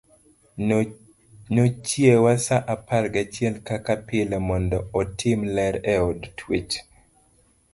Nochiewa sa apar gachiel kaka pile mondo otim ler e od twech.